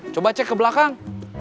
coba cek ke belakang